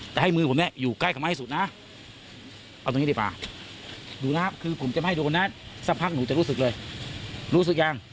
แต่ให้มือผมเนี่ยอยู่ใกล้กับไม้สุดนะเอาตรงนี้ดีกว่าดูนะคือผมจะไม่ให้โดนนะสักพักหนูจะรู้สึกเลยรู้สึกยัง